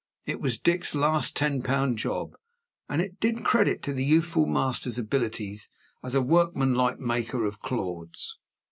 It was Dick's last ten pound job; and it did credit to the youthful master's abilities as a workman like maker of Claudes.